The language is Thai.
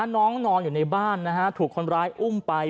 นอนอยู่ในบ้านถูกคนร้ายอุ้มไป